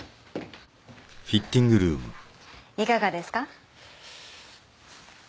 いかがですか？